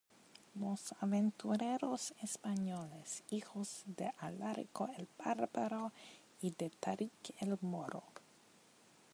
los aventureros españoles, hijos de Alarico el bárbaro y de Tarik el moro.